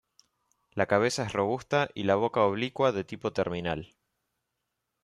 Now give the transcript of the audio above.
La cabeza es robusta y la boca oblicua de tipo terminal.